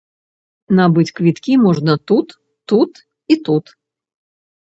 Набыць квіткі можна тут, тут і тут.